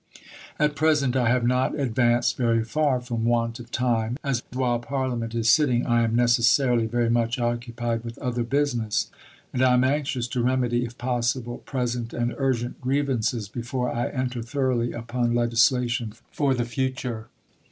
At present I have not advanced very far from want of time, as while Parliament is sitting I am necessarily very much occupied with other business, and I am anxious to remedy, if possible, present and urgent grievances before I enter thoroughly upon legislation for the future.